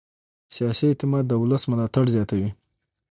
سیاسي اعتماد د ولس ملاتړ زیاتوي